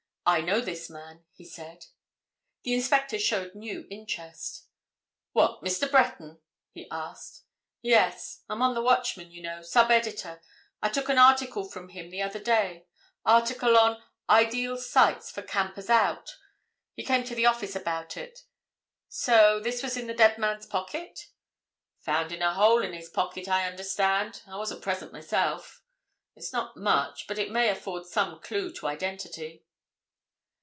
"I know this man," he said. The inspector showed new interest. "What, Mr. Breton?" he asked. "Yes. I'm on the Watchman, you know, sub editor. I took an article from him the other day—article on 'Ideal Sites for Campers Out.' He came to the office about it. So this was in the dead man's pocket?" "Found in a hole in his pocket, I understand: I wasn't present myself. It's not much, but it may afford some clue to identity."